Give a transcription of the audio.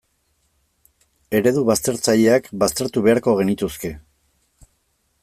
Eredu baztertzaileak baztertu beharko genituzke.